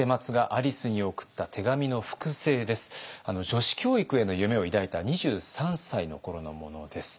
女子教育への夢を抱いた２３歳の頃のものです。